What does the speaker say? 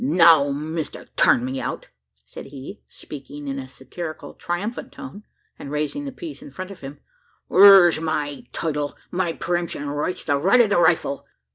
"Now, Mister Turn me out?" said he, speaking in a satirical triumphant tone, and raising the piece in front of him, "thur's my title my pre emption right's the right o' the rifle.